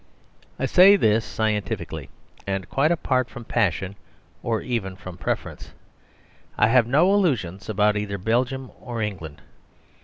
I say this scientifically, and quite apart from passion or even from preference. I have no illusions about either Belgium or England.